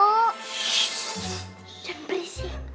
sssss san berisik